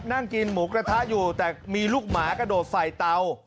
นั่งกินหมูกระทะอยู่แต่มีลูกหมากระโดดใส่เตา